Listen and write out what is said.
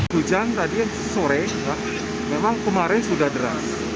hujan tadi sore memang kemarin sudah deras